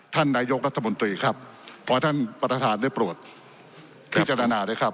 ท่านนายกรัฐมนตรีครับขอให้ท่านประธานได้โปรดพิจารณาด้วยครับ